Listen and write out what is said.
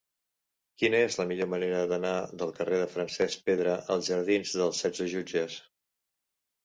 Quina és la millor manera d'anar del carrer de Francesc Pedra als jardins d'Els Setze Jutges?